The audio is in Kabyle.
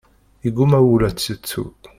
Yeggumma wul ad tt-yettu.